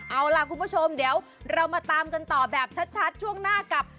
เอาล่ะคุณผู้ชมเดี๋ยวเรามาตามกันต่อแบบชัดช่วงหน้ากับ